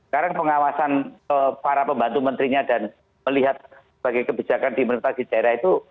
karena pengawasan para pembantu menterinya dan melihat sebagai kebijakan dimonetisasi daerah itu